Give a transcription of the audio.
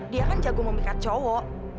dia kan jagung memikat cowok